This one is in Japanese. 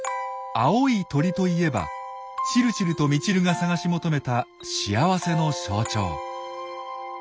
「青い鳥」といえばチルチルとミチルが探し求めた幸せの象徴。